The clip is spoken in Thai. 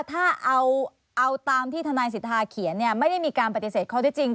ถ้าเอาตามที่ทนายสิทธาเขียนเนี่ยไม่ได้มีการปฏิเสธข้อได้จริง